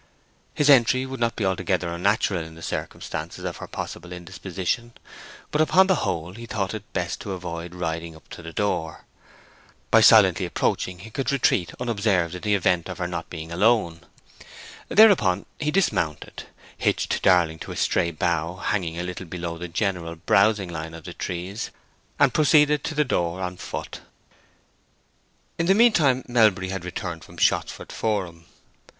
His entry would not be altogether unnatural in the circumstances of her possible indisposition; but upon the whole he thought it best to avoid riding up to the door. By silently approaching he could retreat unobserved in the event of her not being alone. Thereupon he dismounted, hitched Darling to a stray bough hanging a little below the general browsing line of the trees, and proceeded to the door on foot. In the mean time Melbury had returned from Shottsford Forum.